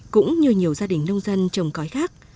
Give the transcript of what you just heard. cũng như nhiều gia đình nông dân trồng cõi khác